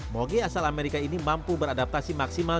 mogi asal amerika ini mampu beradaptasi maksimal